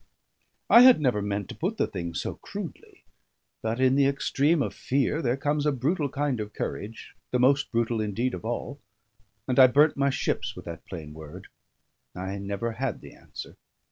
I had never meant to put the thing so crudely; but in the extreme of fear there comes a brutal kind of courage, the most brutal indeed of all; and I burnt my ships with that plain word. I never had the answer.